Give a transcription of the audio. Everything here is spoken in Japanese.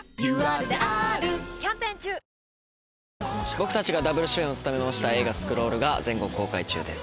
僕たちがダブル主演を務めました映画『スクロール』が全国公開中です。